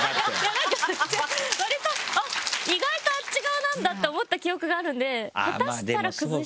なんか割と「あっ意外とあっち側なんだ」って思った記憶があるんで下手したら崩してるんじゃ。